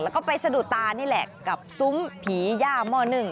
แล้วก็ไปสะดุดตานี่แหละกับซุ้มผีย่าหม้อนึ่ง